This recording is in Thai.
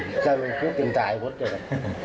คำมาสุขแม่ห้าบออย่าขอโทษพี่น้องห้าบอจ้า